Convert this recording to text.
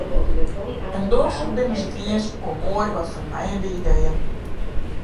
En dochs binne se it iens oer moai wat fernijende ideeën.